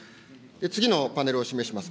次のパネルを示します。